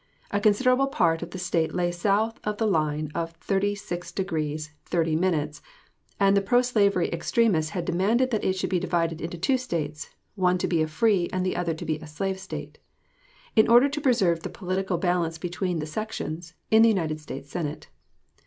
A considerable part of the State lay south of the line of 36º, 30', and the pro slavery extremists had demanded that it should be divided into two States one to be a free and the other to be a slave State in order to preserve the political balance between the sections, in the United States Senate.